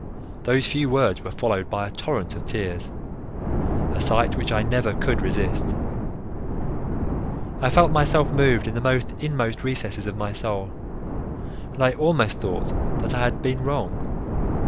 Those few words were followed by a torrent of tears, a sight which I never could resist. I felt myself moved in the inmost recesses of my soul, and I almost thought that I had been wrong.